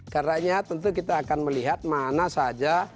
karena tentu kita akan melihat mana saja